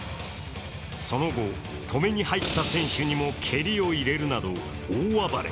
その後、止めに入った選手にも蹴りを入れるなど大暴れ。